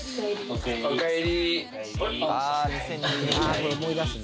「これ思い出すね」